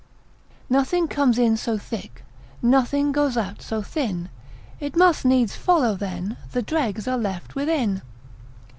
Nothing comes in so thick, Nothing goes out so thin, It must needs follow then The dregs are left within.